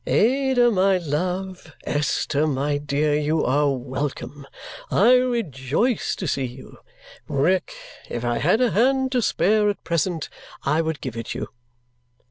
"Ada, my love, Esther, my dear, you are welcome. I rejoice to see you! Rick, if I had a hand to spare at present, I would give it you!"